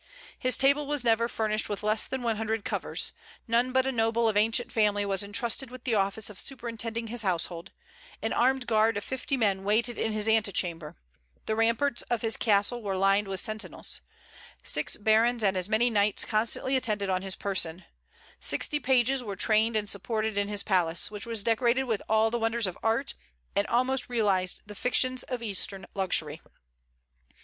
"His table was never furnished with less than one hundred covers; none but a noble of ancient family was intrusted with the office of superintending his household; an armed guard of fifty men waited in his antechamber; the ramparts of his castle were lined with sentinels; six barons and as many knights constantly attended on his person; sixty pages were trained and supported in his palace, which was decorated with all the wonders of art, and almost realized the fictions of Eastern luxury."